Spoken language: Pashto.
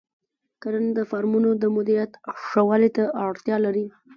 کرنه د فارمونو د مدیریت ښه والي ته اړتیا لري.